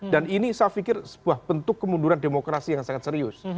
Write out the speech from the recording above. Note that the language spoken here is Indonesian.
dan ini saya pikir sebuah bentuk kemunduran demokrasi yang sangat serius